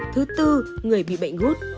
thứ tư người bị bệnh gút